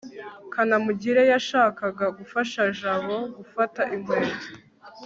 kanamugire yashakaga gufasha jabo gufata inkweto